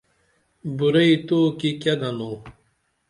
بُرعی توکی کیہ گنو